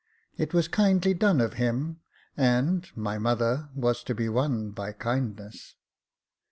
It was kindly done of him, and my mother was to be won by kindness.